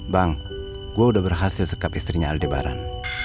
bang gue udah berhasil sekap istrinya aldebaran